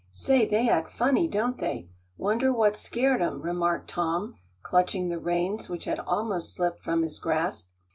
"Say, they act funny, don't they? Wonder what scared 'em," remarked Tom, clutching the reins which had almost slipped from his grasp.